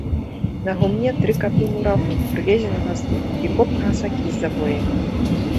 На гумне тры капы мурагу, прывезенага з лук, і копка асакі з завоіны.